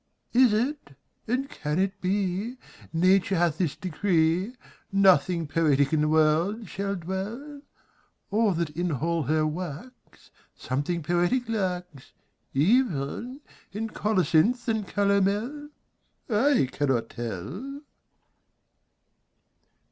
Is it, and can it be, Nature hath this decree, Nothing poetic in the world shall dwell? Or that in all her works Something poetic lurks, Even in colocynth and calomel? I cannot tell.